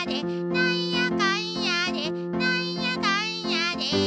「なんやかんやでなんやかんやで」